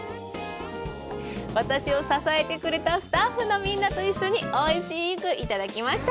私を支えてくれたスタッフのみんなと一緒においしくいただきました。